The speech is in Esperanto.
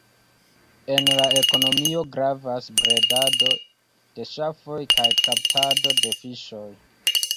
En la ekonomio gravas bredado de ŝafoj kaj kaptado de fiŝoj.